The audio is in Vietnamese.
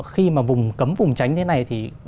khi mà vùng cấm vùng tránh thế này